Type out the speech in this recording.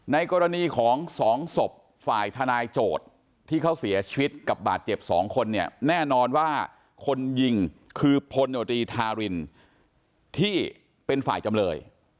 ในกรณีของสองศพฝ่ายทนายโจทย์ที่เขาเสียชีวิตกับบาดเจ็บ๒คนเนี่ยแน่นอนว่าคนยิงคือพลโนตรีทารินที่เป็นฝ่ายจำเลย